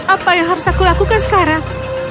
apa yang harus aku lakukan sekarang